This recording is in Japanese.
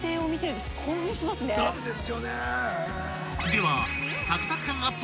［では］